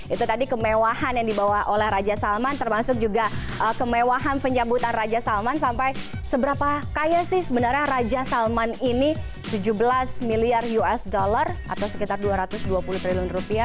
itu tadi kemewahan yang dibawa oleh raja salman termasuk juga kemewahan penyambutan raja salman sampai seberapa kaya sih sebenarnya raja salman ini tujuh belas miliar usd atau sekitar dua ratus dua puluh triliun rupiah